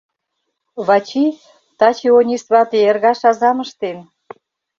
Вачи, таче Онис вате эргаш азам ыштен...